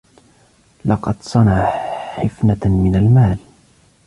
لقد صَنَعَ حِفنةً من المال.